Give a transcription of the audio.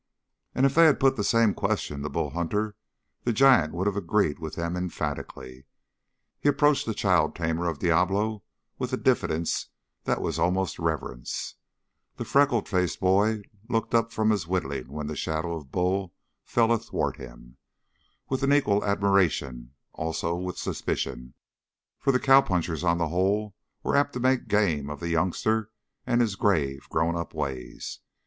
And if they had put the same question to Bull Hunter, the giant would have agreed with them emphatically. He approached the child tamer of Diablo with a diffidence that was almost reverence. The freckle faced boy looked up from his whittling when the shadow of Bull fell athwart him, with an equal admiration; also with suspicion, for the cowpunchers, on the whole, were apt to make game of the youngster and his grave, grown up ways.